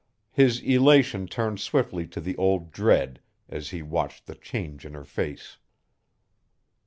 His elation turned swiftly to the old dread as he watched the change in her face.